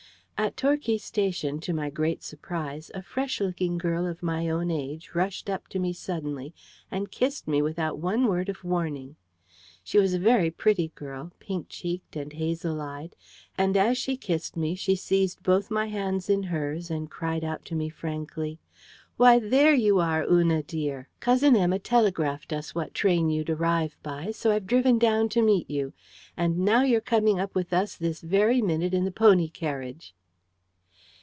At Torquay station, to my great surprise, a fresh looking girl of my own age rushed up to me suddenly, and kissed me without one word of warning. She was a very pretty girl, pink cheeked and hazel eyed: and as she kissed me, she seized both my hands in hers, and cried out to me frankly: "Why, there you are, Una dear! Cousin Emma telegraphed us what train you'd arrive by; so I've driven down to meet you. And now, you're coming up with us this very minute in the pony carriage."